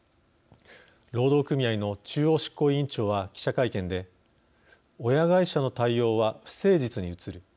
労働組合の中央執行委員長は記者会見で「親会社の対応は不誠実に映る。